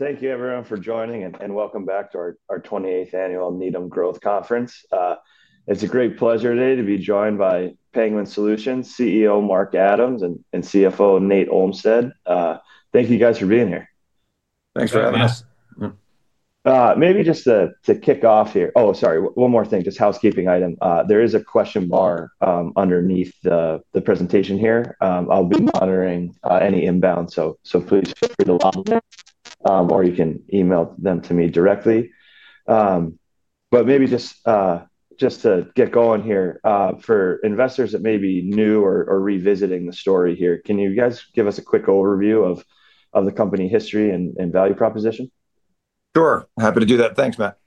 Thank you, everyone, for joining, and welcome back to our 28th annual Needham Growth Conference. It's a great pleasure today to be joined by Penguin Solutions CEO, Mark Adams, and CFO, Nate Olmstead. Thank you, guys, for being here. Thanks for having us. Maybe just to kick off here, oh, sorry, one more thing, just housekeeping item. There is a question bar underneath the presentation here. I'll be monitoring any inbound, so please feel free to log in, or you can email them to me directly. But maybe just to get going here, for investors that may be new or revisiting the story here, can you guys give us a quick overview of the company history and value proposition? Sure. Happy to do that. Thanks, Matt.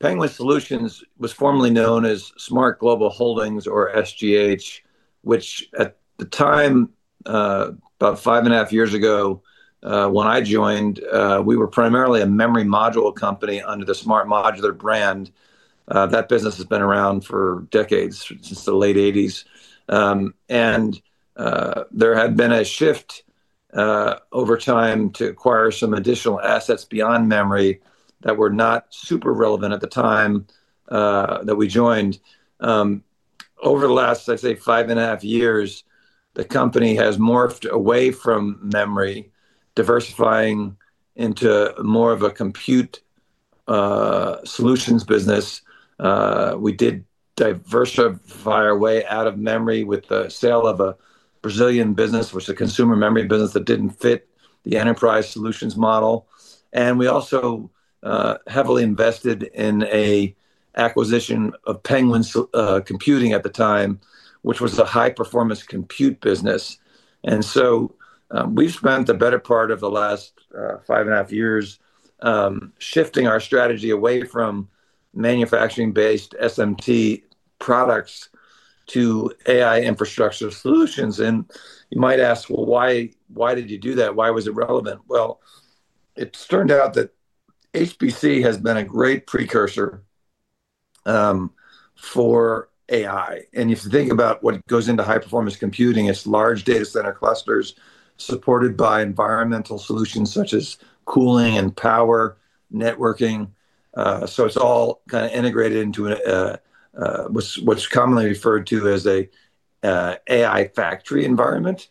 Penguin Solutions was formerly known as SMART Global Holdings, or SGH, which at the time, about five and a half years ago when I joined, we were primarily a memory module company under the SMART Modular brand. That business has been around for decades, since the late 1980s, and there had been a shift over time to acquire some additional assets beyond memory that were not super relevant at the time that we joined. Over the last, I'd say, five and a half years, the company has morphed away from memory, diversifying into more of a compute solutions business. We did diversify our way out of memory with the sale of a Brazilian business, which was a consumer memory business that didn't fit the enterprise solutions model. We also heavily invested in an acquisition of Penguin Computing at the time, which was a high-performance compute business. We've spent the better part of the last five and a half years shifting our strategy away from manufacturing-based SMT products to AI infrastructure solutions. You might ask, well, why did you do that? Why was it relevant? It turned out that HPC has been a great precursor for AI. If you think about what goes into high-performance computing, it's large data center clusters supported by environmental solutions such as cooling and power networking. It's all kind of integrated into what's commonly referred to as an AI factory environment.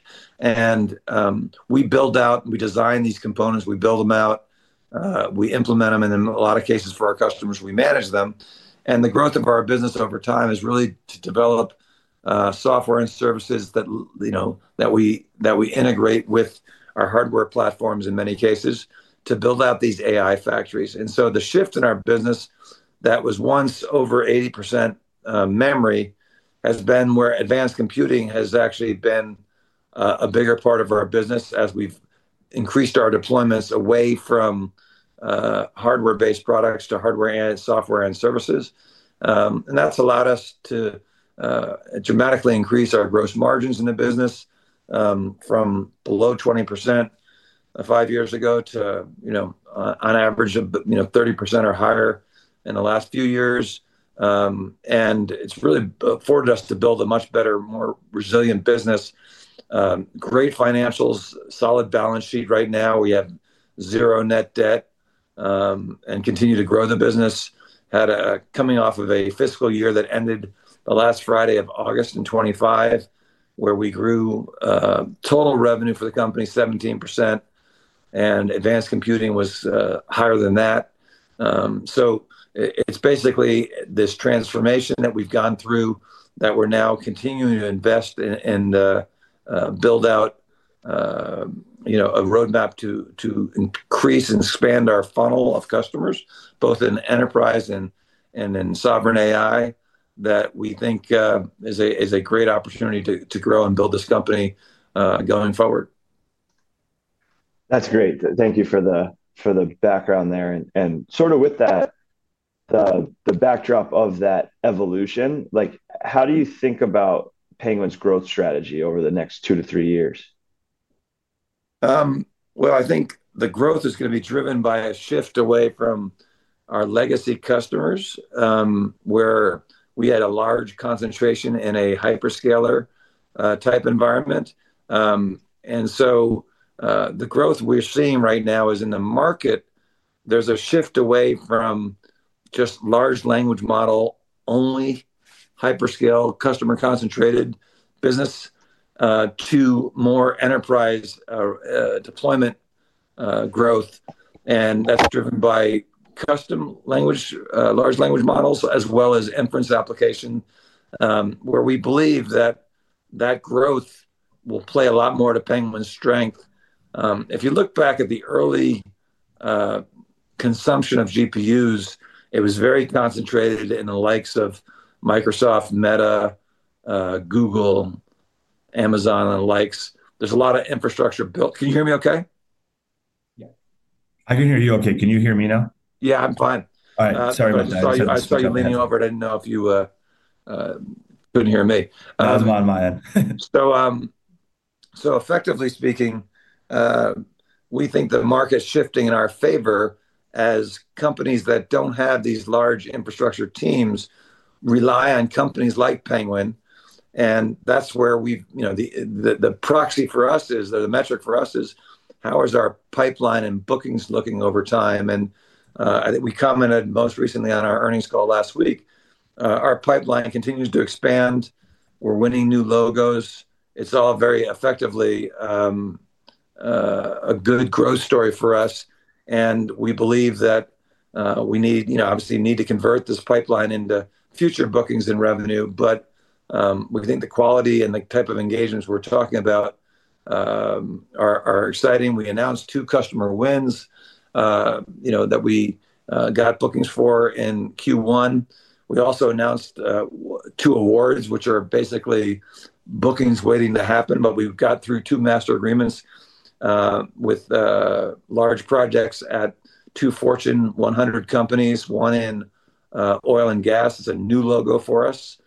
We build out, we design these components, we build them out, we implement them, and in a lot of cases for our customers, we manage them. The growth of our business over time is really to develop software and services that we integrate with our hardware platforms in many cases to build out these AI factories. So the shift in our business that was once over 80% memory has been where advanced computing has actually been a bigger part of our business as we've increased our deployments away from hardware-based products to hardware and software and services. That's allowed us to dramatically increase our gross margins in the business from below 20% five years ago to, on average, 30% or higher in the last few years. It's really afforded us to build a much better, more resilient business, great financials, solid balance sheet. Right now, we have zero net debt and continue to grow the business. Had a coming off of a fiscal year that ended the last Friday of August in 2025, where we grew total revenue for the company 17%, and Advanced Computing was higher than that. It's basically this transformation that we've gone through that we're now continuing to invest in to build out a roadmap to increase and expand our funnel of customers, both in enterprise and in sovereign AI, that we think is a great opportunity to grow and build this company going forward. That's great. Thank you for the background there. And sort of with that, the backdrop of that evolution, how do you think about Penguin's growth strategy over the next two to three years? I think the growth is going to be driven by a shift away from our legacy customers, where we had a large concentration in a hyperscaler-type environment. And so the growth we're seeing right now is in the market. There's a shift away from just large language model only, hyperscale, customer-concentrated business to more enterprise deployment growth. And that's driven by custom language, large language models, as well as inference application, where we believe that that growth will play a lot more to Penguin's strength. If you look back at the early consumption of GPUs, it was very concentrated in the likes of Microsoft, Meta, Google, Amazon, and the likes. There's a lot of infrastructure built. Can you hear me okay? Yeah. I can hear you okay. Can you hear me now? Yeah, I'm fine. All right. Sorry about that. I saw you leaning over. I didn't know if you couldn't hear me. That was not my end. So effectively speaking, we think the market's shifting in our favor as companies that don't have these large infrastructure teams rely on companies like Penguin. And that's where the proxy for us is, or the metric for us is, how is our pipeline and bookings looking over time? And I think we commented most recently on our earnings call last week. Our pipeline continues to expand. We're winning new logos. It's all very effectively a good growth story for us. And we believe that we obviously need to convert this pipeline into future bookings and revenue. But we think the quality and the type of engagements we're talking about are exciting. We announced two customer wins that we got bookings for in Q1. We also announced two awards, which are basically bookings waiting to happen. But we've got through two master agreements with large projects at two Fortune 100 companies, one in oil and gas. It's a new logo for us,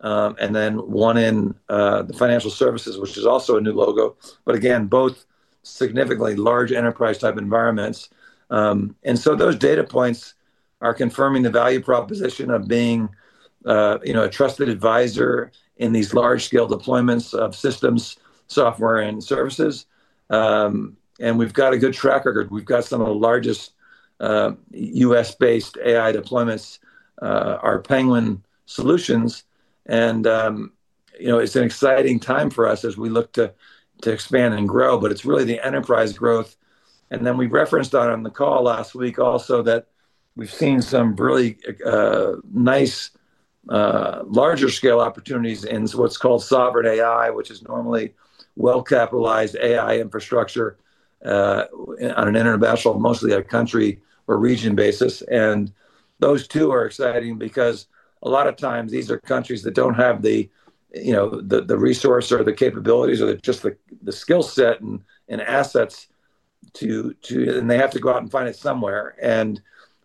and then one in the financial services, which is also a new logo. But again, both significantly large enterprise-type environments. And so those data points are confirming the value proposition of being a trusted advisor in these large-scale deployments of systems, software, and services. And we've got a good track record. We've got some of the largest U.S.-based AI deployments, our Penguin Solutions. And it's an exciting time for us as we look to expand and grow. But it's really the enterprise growth. And then we referenced on the call last week also that we've seen some really nice larger-scale opportunities in what's called sovereign AI, which is normally well-capitalized AI infrastructure on an international, mostly a country or region basis. Those two are exciting because a lot of times these are countries that don't have the resource or the capabilities or just the skill set and assets, and they have to go out and find it somewhere.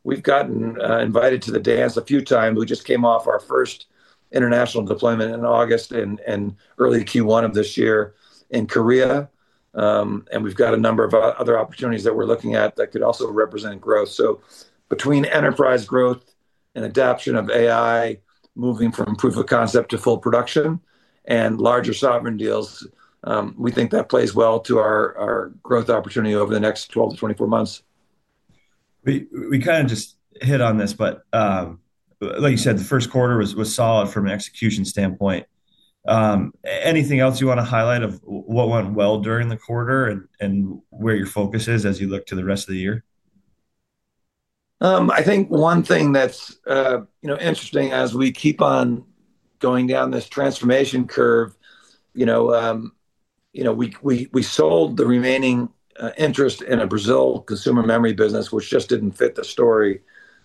We've gotten invited to the dance a few times. We just came off our first international deployment in August and early Q1 of this year in Korea. We've got a number of other opportunities that we're looking at that could also represent growth. Between enterprise growth and adoption of AI, moving from proof of concept to full production and larger sovereign deals, we think that plays well to our growth opportunity over the next 12-24 months. We kind of just hit on this, but like you said, the first quarter was solid from an execution standpoint. Anything else you want to highlight of what went well during the quarter and where your focus is as you look to the rest of the year? I think one thing that's interesting as we keep on going down this transformation curve, we sold the remaining interest in a Brazil consumer memory business, which just didn't fit the story.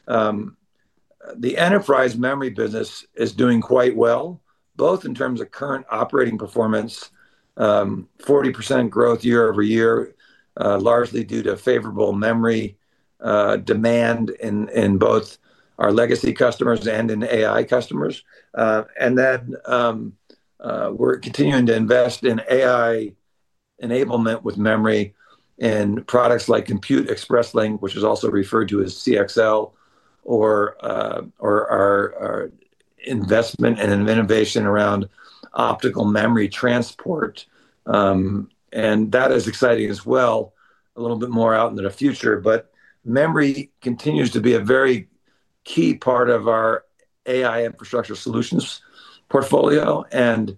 The enterprise memory business is doing quite well, both in terms of current operating performance, 40% growth year over year, largely due to favorable memory demand in both our legacy customers and in AI customers. And then we're continuing to invest in AI enablement with memory in products like Compute Express Link, which is also referred to as CXL, or our investment and innovation around Optical Memory Transport. And that is exciting as well, a little bit more out into the future. But memory continues to be a very key part of our AI infrastructure solutions portfolio. And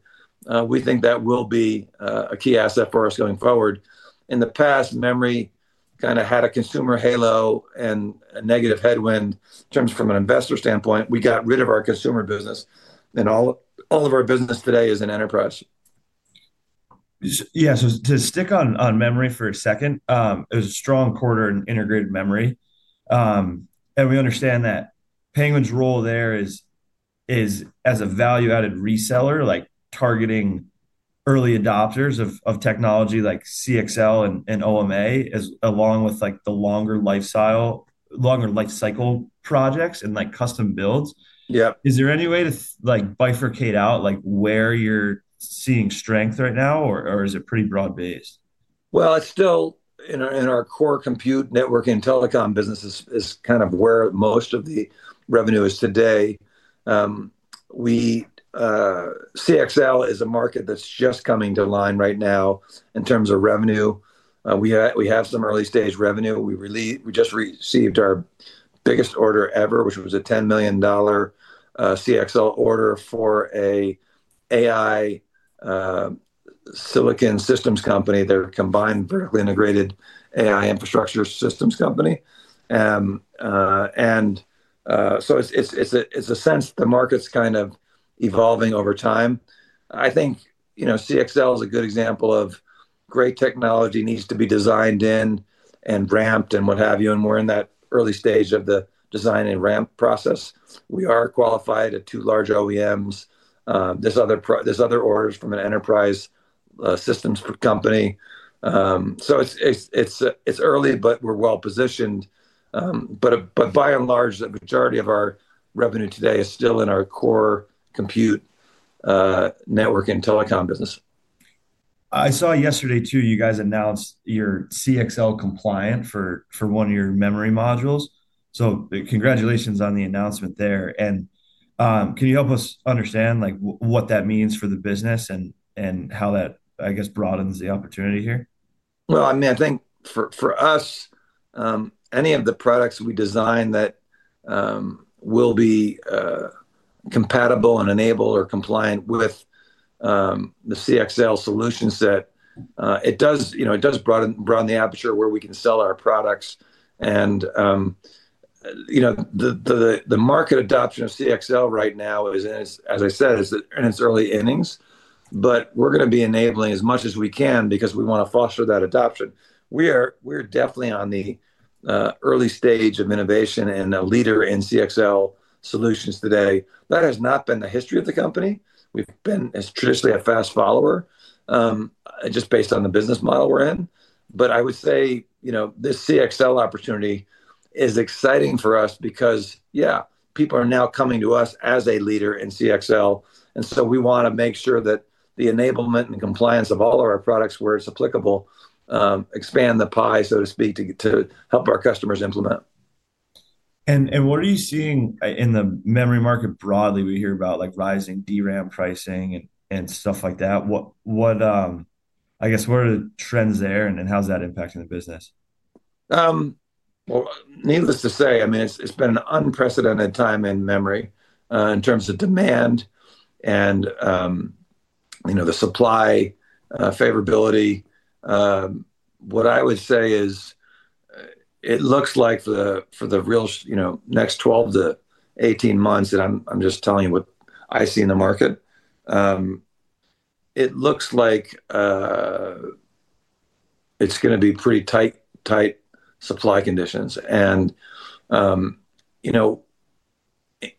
we think that will be a key asset for us going forward. In the past, memory kind of had a consumer halo and a negative headwind in terms from an investor standpoint. We got rid of our consumer business, and all of our business today is in enterprise. Yeah. So to stick on memory for a second, it was a strong quarter in Integrated Memory. And we understand that Penguin's role there is as a value-added reseller, targeting early adopters of technology like CXL and OMT, along with the longer lifecycle projects and custom builds. Is there any way to bifurcate out where you're seeing strength right now, or is it pretty broad-based? Still in our core compute networking telecom business is kind of where most of the revenue is today. CXL is a market that's just coming online right now in terms of revenue. We have some early-stage revenue. We just received our biggest order ever, which was a $10 million CXL order for an AI silicon systems company. They're a combined vertically integrated AI infrastructure systems company. And so it makes sense the market's kind of evolving over time. I think CXL is a good example of how great technology needs to be designed in and ramped and what have you. And we're in that early stage of the design and ramp process. We are qualified at two large OEMs. There's other orders from an enterprise systems company. So it's early, but we're well-positioned. But by and large, the majority of our revenue today is still in our core compute networking telecom business. I saw yesterday too, you guys announced you're CXL compliant for one of your memory modules. So congratulations on the announcement there. And can you help us understand what that means for the business and how that, I guess, broadens the opportunity here? I mean, I think for us, any of the products we design that will be compatible and enabled or compliant with the CXL solution set, it does broaden the aperture where we can sell our products. The market adoption of CXL right now is, as I said, in its early innings. We're going to be enabling as much as we can because we want to foster that adoption. We're definitely on the early stage of innovation and a leader in CXL solutions today. That has not been the history of the company. We've been traditionally a fast follower just based on the business model we're in. I would say this CXL opportunity is exciting for us because, yeah, people are now coming to us as a leader in CXL. And so we want to make sure that the enablement and compliance of all of our products where it's applicable expand the pie, so to speak, to help our customers implement. And what are you seeing in the memory market broadly? We hear about rising DRAM pricing and stuff like that. I guess, what are the trends there and how's that impacting the business? Needless to say, I mean, it's been an unprecedented time in memory in terms of demand and the supply favorability. What I would say is it looks like for the next 12 to 18 months, and I'm just telling you what I see in the market, it looks like it's going to be pretty tight supply conditions.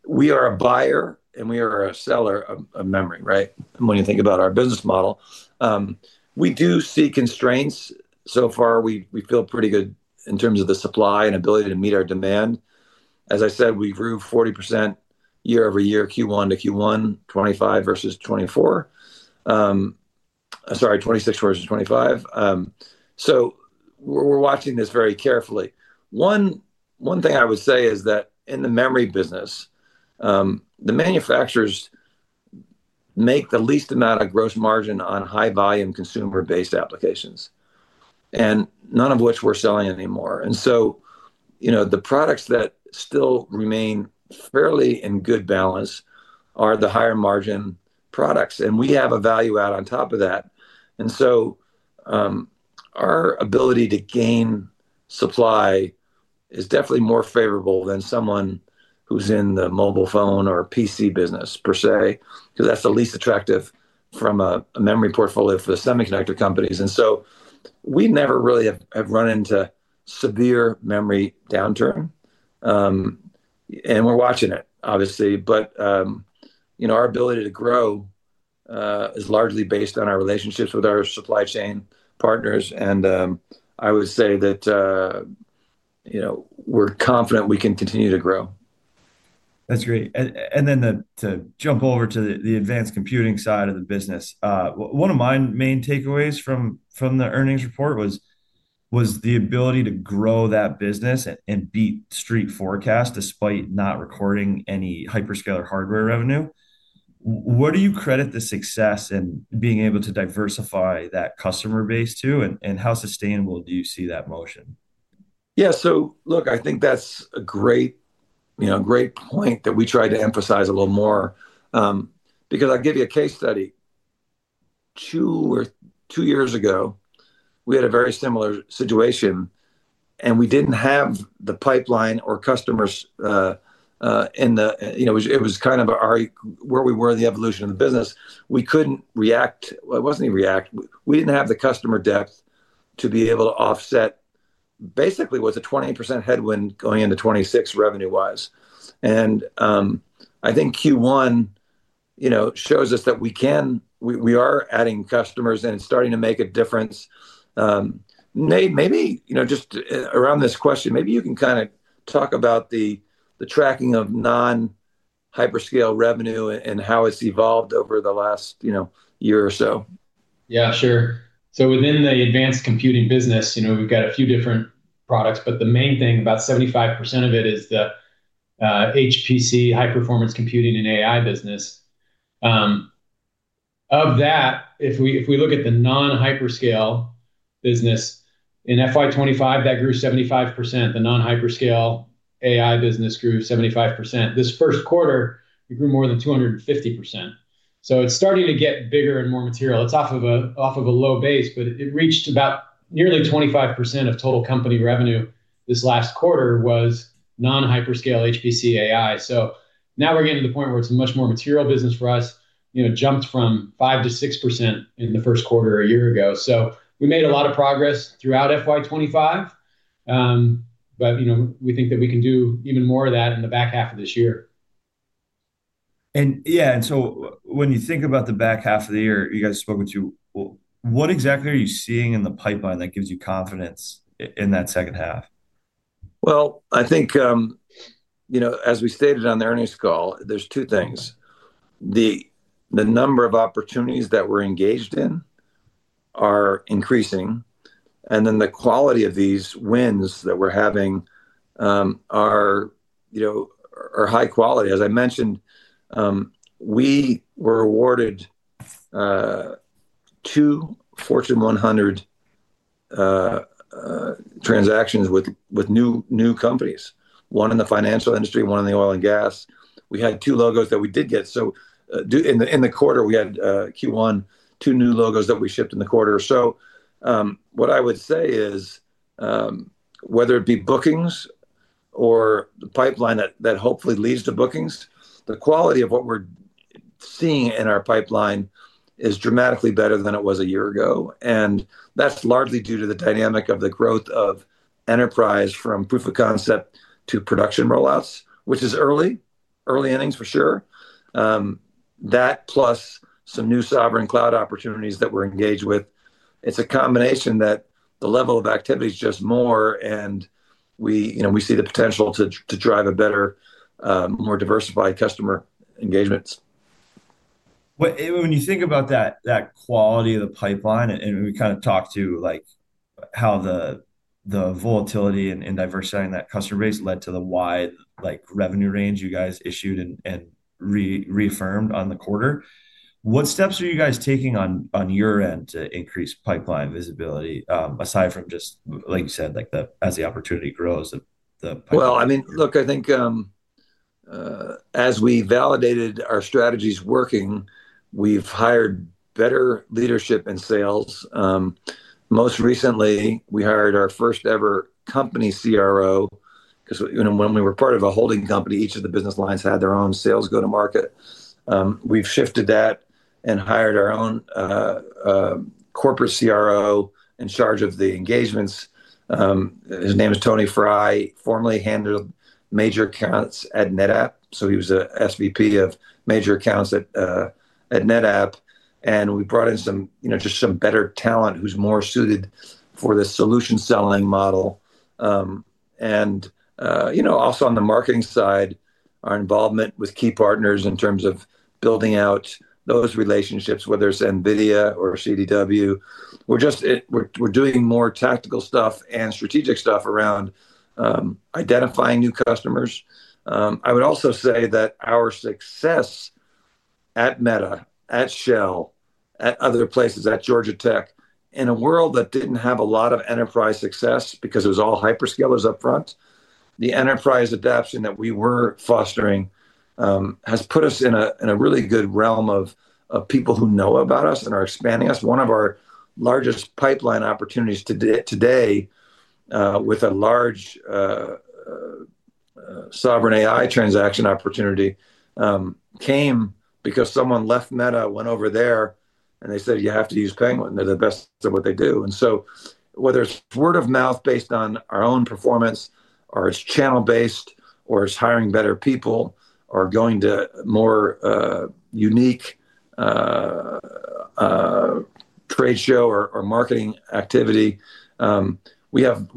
We are a buyer and we are a seller of memory, right? When you think about our business model, we do see constraints. So far, we feel pretty good in terms of the supply and ability to meet our demand. As I said, we grew 40% year over year, Q1 to Q1, 2025 versus 2024. Sorry, 2026 versus 2025. So we're watching this very carefully. One thing I would say is that in the memory business, the manufacturers make the least amount of gross margin on high-volume consumer-based applications, and none of which we're selling anymore, and so the products that still remain fairly in good balance are the higher margin products, and we have a value add on top of that, and so our ability to gain supply is definitely more favorable than someone who's in the mobile phone or PC business, per se, because that's the least attractive from a memory portfolio for the semiconductor companies, and so we never really have run into severe memory downturn, and we're watching it, obviously, but our ability to grow is largely based on our relationships with our supply chain partners, and I would say that we're confident we can continue to grow. That's great. And then to jump over to the advanced computing side of the business, one of my main takeaways from the earnings report was the ability to grow that business and beat Street forecasts despite not recording any hyperscaler hardware revenue. Where do you credit the success in being able to diversify that customer base to? And how sustainable do you see that motion? Yeah. So look, I think that's a great point that we try to emphasize a little more because I'll give you a case study. Two years ago, we had a very similar situation, and we didn't have the pipeline or customers. In the, it was kind of where we were in the evolution of the business. We couldn't react. Well, it wasn't even react. We didn't have the customer depth to be able to offset basically what's a 20% headwind going into 2026 revenue-wise. And I think Q1 shows us that we are adding customers and it's starting to make a difference. Maybe just around this question, maybe you can kind of talk about the tracking of non-hyperscale revenue and how it's evolved over the last year or so. Yeah, sure. So within the advanced computing business, we've got a few different products. But the main thing, about 75% of it is the HPC, high-performance computing and AI business. Of that, if we look at the non-hyperscale business, in FY25, that grew 75%. The non-hyperscale AI business grew 75%. This first quarter, it grew more than 250%. So it's starting to get bigger and more material. It's off of a low base, but it reached about nearly 25% of total company revenue. This last quarter was non-hyperscale HPC AI. So now we're getting to the point where it's a much more material business for us, jumped from five to six% in the first quarter a year ago. So we made a lot of progress throughout FY25. But we think that we can do even more of that in the back half of this year. And yeah. When you think about the back half of the year you guys spoke with you, what exactly are you seeing in the pipeline that gives you confidence in that second half? I think as we stated on the earnings call, there's two things. The number of opportunities that we're engaged in are increasing, and then the quality of these wins that we're having are high quality. As I mentioned, we were awarded two Fortune 100 transactions with new companies, one in the financial industry, one in the oil and gas. We had two logos that we did get, so in the quarter, we had Q1, two new logos that we shipped in the quarter, so what I would say is, whether it be bookings or the pipeline that hopefully leads to bookings, the quality of what we're seeing in our pipeline is dramatically better than it was a year ago, and that's largely due to the dynamic of the growth of enterprise from proof of concept to production rollouts, which is early, early innings for sure. That plus some new sovereign cloud opportunities that we're engaged with, it's a combination that the level of activity is just more. And we see the potential to drive a better, more diversified customer engagements. When you think about that quality of the pipeline, and we kind of talked to how the volatility and diversifying that customer base led to the wide revenue range you guys issued and reaffirmed on the quarter, what steps are you guys taking on your end to increase pipeline visibility aside from just, like you said, as the opportunity grows? Well, I mean, look. I think as we validated our strategies working, we've hired better leadership and sales. Most recently, we hired our first-ever company CRO because when we were part of a holding company, each of the business lines had their own sales go-to-market. We've shifted that and hired our own corporate CRO in charge of the engagements. His name is Thierry Pellegrino, formerly handled major accounts at NetApp. So he was an SVP of major accounts at NetApp. And we brought in just some better talent who's more suited for the solution selling model. And also on the marketing side, our involvement with key partners in terms of building out those relationships, whether it's NVIDIA or CDW, we're doing more tactical stuff and strategic stuff around identifying new customers. I would also say that our success at Meta, at Shell, at other places, at Georgia Tech, in a world that didn't have a lot of enterprise success because it was all hyperscalers upfront, the enterprise adoption that we were fostering has put us in a really good realm of people who know about us and are expanding us. One of our largest pipeline opportunities today with a large sovereign AI transaction opportunity came because someone left Meta, went over there, and they said, "You have to use Penguin. They're the best at what they do," and so whether it's word of mouth based on our own performance or it's channel-based or it's hiring better people or going to more unique trade show or marketing activity, we have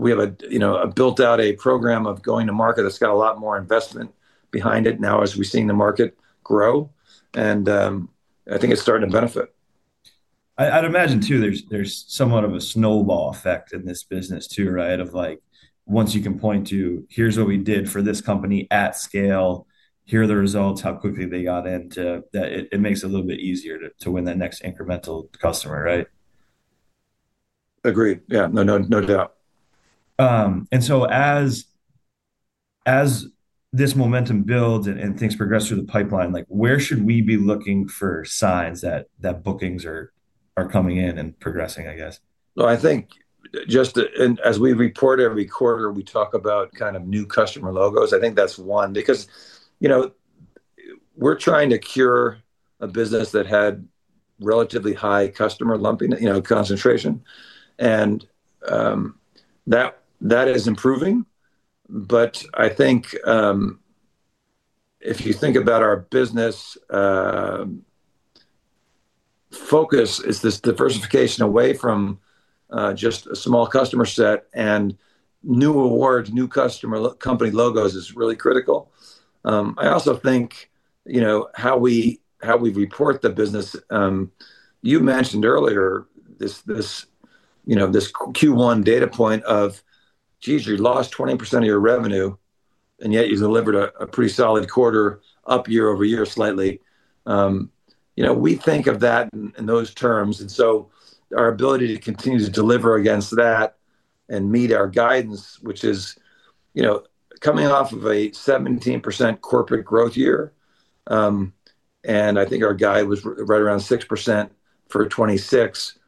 built out a program of going to market that's got a lot more investment behind it now as we've seen the market grow, and I think it's starting to benefit. I'd imagine too, there's somewhat of a snowball effect in this business too, right, of once you can point to, "Here's what we did for this company at scale. Here are the results, how quickly they got into that." It makes it a little bit easier to win that next incremental customer, right? Agreed. Yeah. No doubt. And so as this momentum builds and things progress through the pipeline, where should we be looking for signs that bookings are coming in and progressing, I guess? I think just as we report every quarter, we talk about kind of new customer logos. I think that's one because we're trying to cure a business that had relatively high customer concentration. That is improving. But I think if you think about our business focus, it's this diversification away from just a small customer set. New awards, new customer company logos is really critical. I also think how we report the business. You mentioned earlier this Q1 data point of, "Geez, you lost 20% of your revenue, and yet you delivered a pretty solid quarter up year over year slightly." We think of that in those terms, so our ability to continue to deliver against that and meet our guidance, which is coming off of a 17% corporate growth year. I think our guide was right around 6% for 2026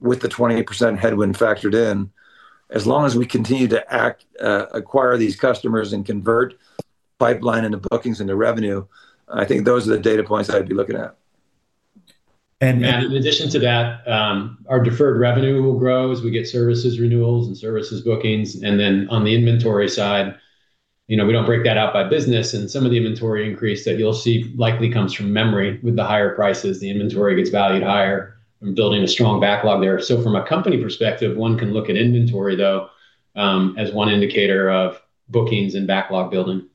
with the 20% headwind factored in. As long as we continue to acquire these customers and convert pipeline into bookings into revenue, I think those are the data points I'd be looking at. In addition to that, our deferred revenue will grow as we get services renewals and services bookings. Then on the inventory side, we don't break that out by business. Some of the inventory increase that you'll see likely comes from memory with the higher prices. The inventory gets valued higher from building a strong backlog there. From a company perspective, one can look at inventory, though, as one indicator of bookings and backlog building.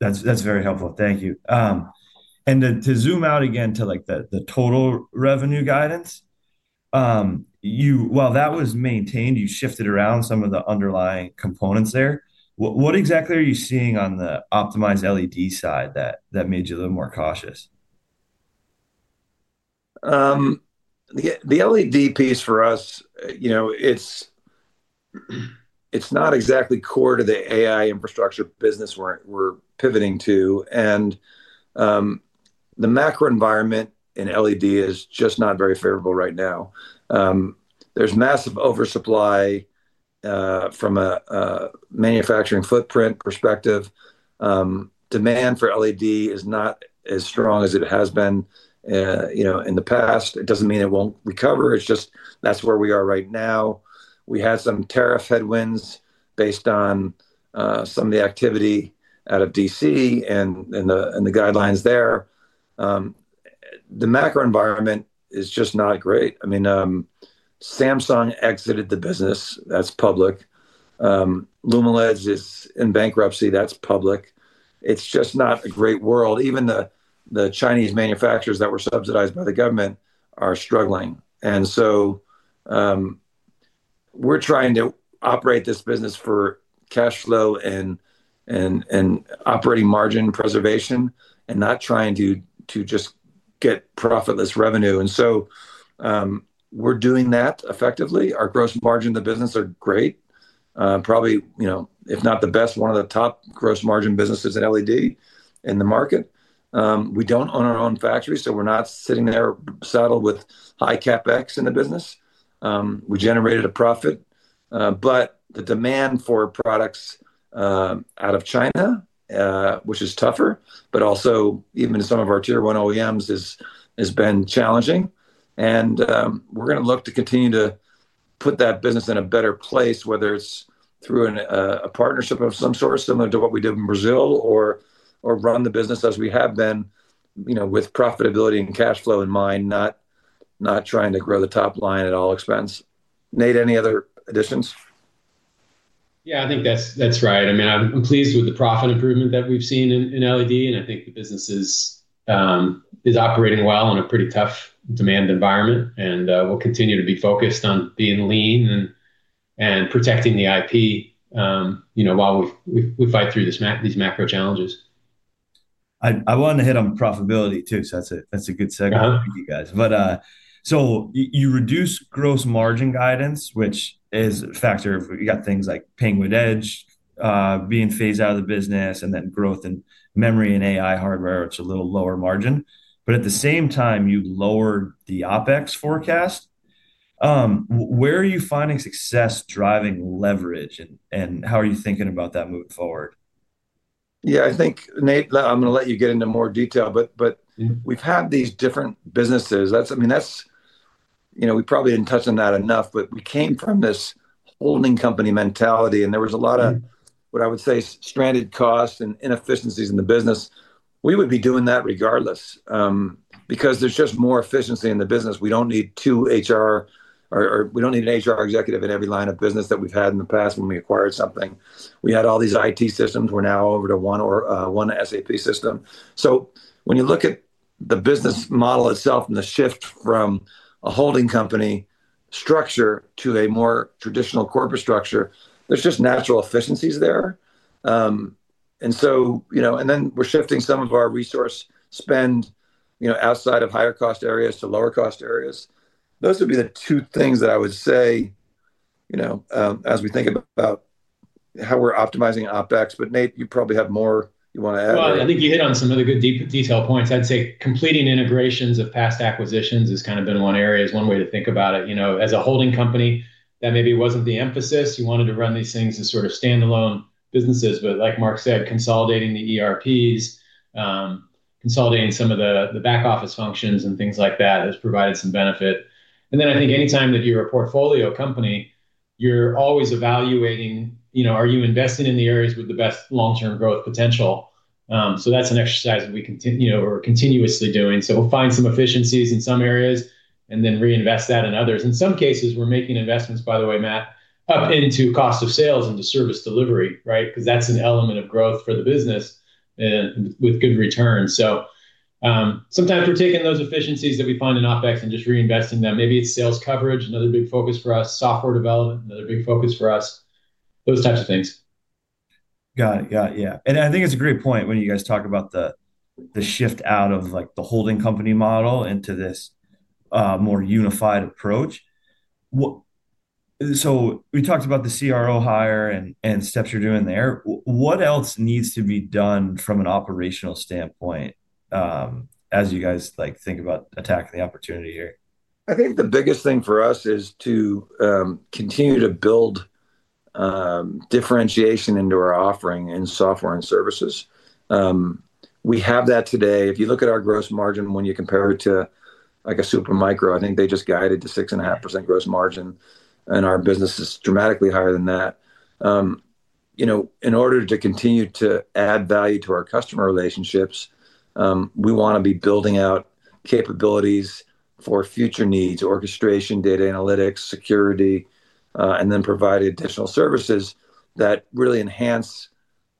That's very helpful. Thank you. To zoom out again to the total revenue guidance, while that was maintained, you shifted around some of the underlying components there. What exactly are you seeing on the optimized LED side that made you a little more cautious? The LED piece for us, it's not exactly core to the AI infrastructure business we're pivoting to. And the macro environment in LED is just not very favorable right now. There's massive oversupply from a manufacturing footprint perspective. Demand for LED is not as strong as it has been in the past. It doesn't mean it won't recover. It's just that's where we are right now. We had some tariff headwinds based on some of the activity out of DC and the guidelines there. The macro environment is just not great. I mean, Samsung exited the business. That's public. Lumileds is in bankruptcy. That's public. It's just not a great world. Even the Chinese manufacturers that were subsidized by the government are struggling. And so we're trying to operate this business for cash flow and operating margin preservation and not trying to just get profitless revenue. And so we're doing that effectively. Our gross margin of the business are great, probably if not the best, one of the top gross margin businesses in LED in the market. We don't own our own factory, so we're not sitting there saddled with high CapEx in the business. We generated a profit. But the demand for products out of China, which is tougher, but also even some of our tier one OEMs has been challenging. And we're going to look to continue to put that business in a better place, whether it's through a partnership of some sort, similar to what we did in Brazil, or run the business as we have been with profitability and cash flow in mind, not trying to grow the top line at all expense. Nate, any other additions? Yeah, I think that's right. I mean, I'm pleased with the profit improvement that we've seen in LED. And I think the business is operating well in a pretty tough demand environment. And we'll continue to be focused on being lean and protecting the IP while we fight through these macro challenges. I wanted to hit on profitability too. So that's a good segue for you guys. So you reduced gross margin guidance, which is a factor. You got things like Penguin Edge being phased out of the business and then growth in memory and AI hardware, which is a little lower margin. But at the same time, you lowered the OpEx forecast. Where are you finding success driving leverage? And how are you thinking about that moving forward? Yeah, I think, Nate, I'm going to let you get into more detail. But we've had these different businesses. I mean, we probably didn't touch on that enough, but we came from this holding company mentality. And there was a lot of what I would say stranded costs and inefficiencies in the business. We would be doing that regardless because there's just more efficiency in the business. We don't need two HR, or we don't need an HR executive in every line of business that we've had in the past when we acquired something. We had all these IT systems. We're now over to one SAP system. So when you look at the business model itself and the shift from a holding company structure to a more traditional corporate structure, there's just natural efficiencies there. And then we're shifting some of our resource spend outside of higher cost areas to lower cost areas. Those would be the two things that I would say as we think about how we're optimizing OpEx. But Nate, you probably have more you want to add? I think you hit on some of the good detail points. I'd say completing integrations of past acquisitions has kind of been one area, is one way to think about it. As a holding company, that maybe wasn't the emphasis. You wanted to run these things as sort of standalone businesses. But like Mark said, consolidating the ERPs, consolidating some of the back office functions and things like that has provided some benefit. And then I think anytime that you're a portfolio company, you're always evaluating, are you investing in the areas with the best long-term growth potential? So that's an exercise we're continuously doing. So we'll find some efficiencies in some areas and then reinvest that in others. In some cases, we're making investments, by the way, Matt, up into cost of sales and to service delivery, right? Because that's an element of growth for the business with good returns. So sometimes we're taking those efficiencies that we find in OpEx and just reinvesting them. Maybe it's sales coverage, another big focus for us, software development, another big focus for us, those types of things. Got it. Yeah. Yeah. And I think it's a great point when you guys talk about the shift out of the holding company model into this more unified approach. So we talked about the CRO hire and steps you're doing there. What else needs to be done from an operational standpoint as you guys think about attacking the opportunity here? I think the biggest thing for us is to continue to build differentiation into our offering in software and services. We have that today. If you look at our gross margin when you compare it to a Supermicro, I think they just guided to 6.5% gross margin. And our business is dramatically higher than that. In order to continue to add value to our customer relationships, we want to be building out capabilities for future needs, orchestration, data analytics, security, and then provide additional services that really enhance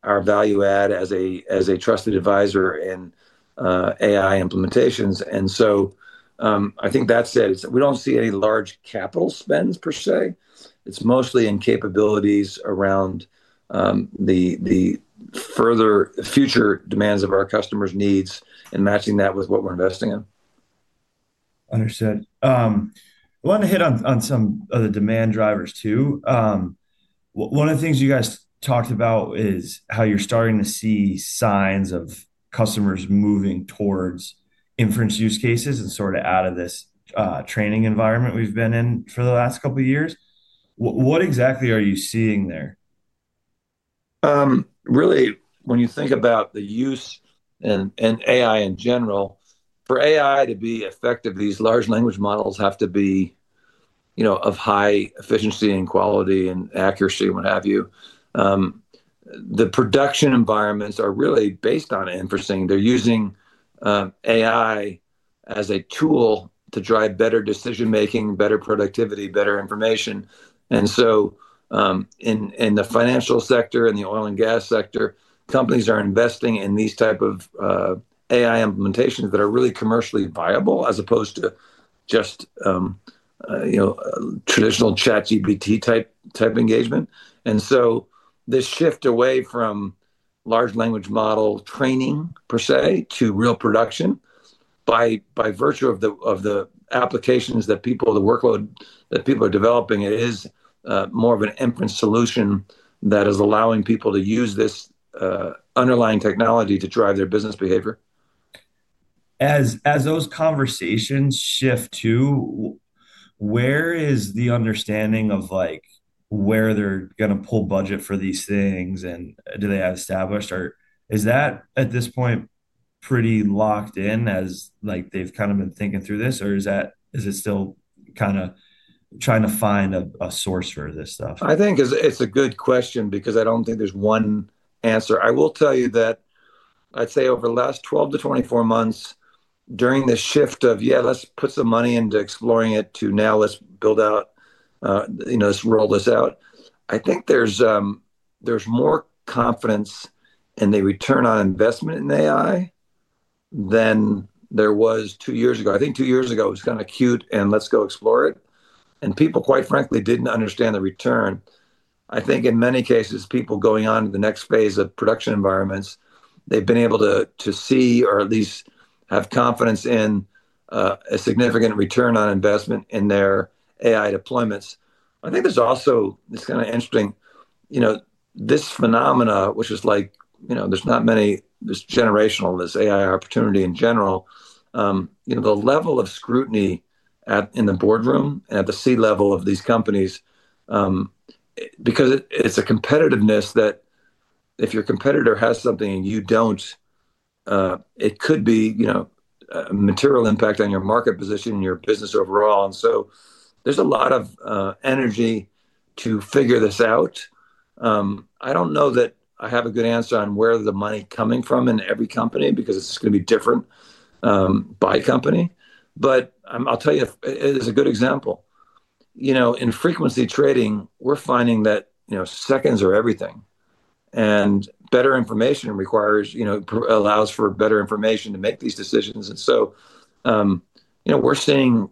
our value add as a trusted advisor in AI implementations, and so I think that said, we don't see any large capital spends per se. It's mostly in capabilities around the further future demands of our customers' needs and matching that with what we're investing in. Understood. I want to hit on some of the demand drivers too. One of the things you guys talked about is how you're starting to see signs of customers moving towards inference use cases and sort of out of this training environment we've been in for the last couple of years. What exactly are you seeing there? Really, when you think about the use and AI in general, for AI to be effective, these large language models have to be of high efficiency and quality and accuracy and what have you. The production environments are really based on inferencing. They're using AI as a tool to drive better decision-making, better productivity, better information, and so in the financial sector and the oil and gas sector, companies are investing in these types of AI implementations that are really commercially viable as opposed to just traditional ChatGPT type engagement, and so this shift away from large language model training per se to real production by virtue of the applications that people, the workload that people are developing, it is more of an inference solution that is allowing people to use this underlying technology to drive their business behavior. As those conversations shift too, where is the understanding of where they're going to pull budget for these things and do they have established? Or is that at this point pretty locked in as they've kind of been thinking through this? Or is it still kind of trying to find a source for this stuff? I think it's a good question because I don't think there's one answer. I will tell you that I'd say over the last 12 to 24 months during the shift of, "Yeah, let's put some money into exploring it," to now, "Let's build out, let's roll this out." I think there's more confidence in the return on investment in AI than there was two years ago. I think two years ago, it was kind of cute and let's go explore it. And people, quite frankly, didn't understand the return. I think in many cases, people going on to the next phase of production environments, they've been able to see or at least have confidence in a significant return on investment in their AI deployments. I think there's also this kind of interesting phenomenon, which is like there's not many generational AI opportunity in general, the level of scrutiny in the boardroom and at the C-level of these companies because it's a competitiveness that if your competitor has something and you don't, it could be a material impact on your market position and your business overall, and so there's a lot of energy to figure this out. I don't know that I have a good answer on where the money is coming from in every company because it's going to be different by company, but I'll tell you, it is a good example. In frequency trading, we're finding that seconds are everything, and better information requires, allows for better information to make these decisions, and so we're seeing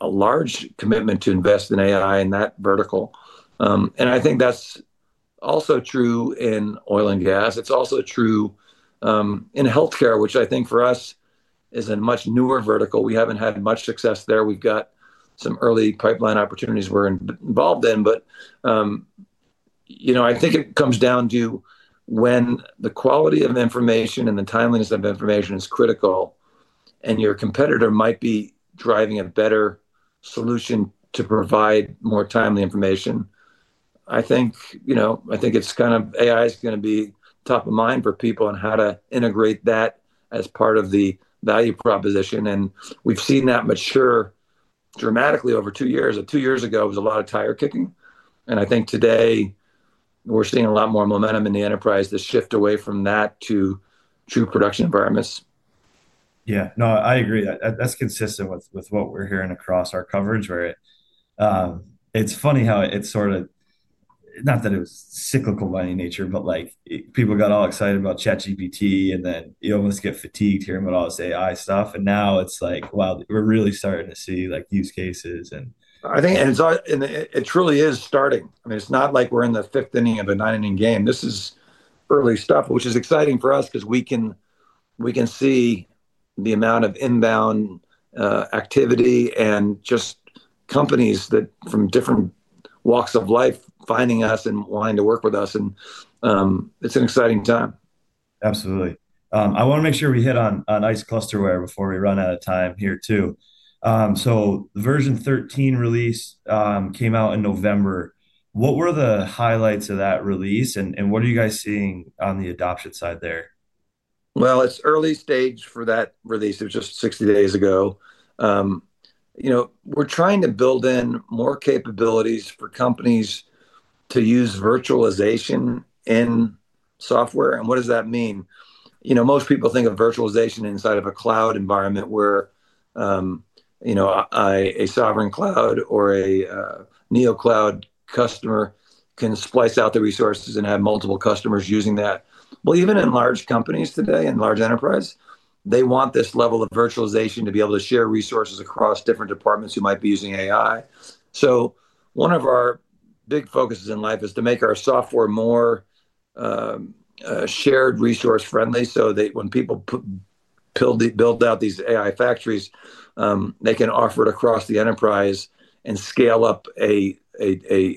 a large commitment to invest in AI in that vertical. I think that's also true in oil and gas. It's also true in healthcare, which I think for us is a much newer vertical. We haven't had much success there. We've got some early pipeline opportunities we're involved in. But I think it comes down to when the quality of information and the timeliness of information is critical and your competitor might be driving a better solution to provide more timely information. I think it's kind of, AI is going to be top of mind for people and how to integrate that as part of the value proposition. And we've seen that mature dramatically over two years. Two years ago, it was a lot of tire kicking. And I think today, we're seeing a lot more momentum in the enterprise to shift away from that to true production environments. Yeah. No, I agree. That's consistent with what we're hearing across our coverage where it's funny how it's sort of not that it was cyclical by nature, but people got all excited about ChatGPT and then you almost get fatigued hearing about all this AI stuff. And now it's like, wow, we're really starting to see use cases and. I think it truly is starting. I mean, it's not like we're in the fifth inning of a nine-inning game. This is early stuff, which is exciting for us because we can see the amount of inbound activity and just companies from different walks of life finding us and wanting to work with us, and it's an exciting time. Absolutely. I want to make sure we hit on Scyld ClusterWare before we run out of time here too. So version 13 release came out in November. What were the highlights of that release? And what are you guys seeing on the adoption side there? It's early stage for that release. It was just 60 days ago. We're trying to build in more capabilities for companies to use virtualization in software. And what does that mean? Most people think of virtualization inside of a cloud environment where a sovereign cloud or a neocloud customer can splice out the resources and have multiple customers using that. Even in large companies today, in large enterprise, they want this level of virtualization to be able to share resources across different departments who might be using AI. So one of our big focuses in life is to make our software more shared resource-friendly so that when people build out these AI factories, they can offer it across the enterprise and scale up an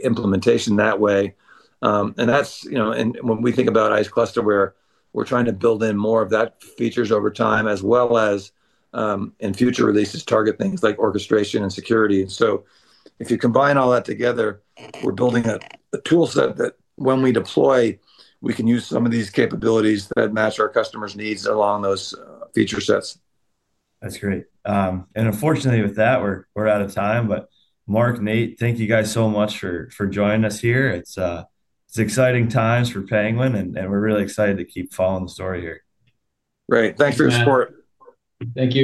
implementation that way. And when we think about Scyld ClusterWare, we're trying to build in more of that features over time as well as in future releases target things like orchestration and security. And so if you combine all that together, we're building a toolset that when we deploy, we can use some of these capabilities that match our customers' needs along those feature sets. That's great. Unfortunately with that, we're out of time. Mark, Nate, thank you guys so much for joining us here. It's exciting times for Penguin. We're really excited to keep following the story here. Great. Thanks for the support. Thank you.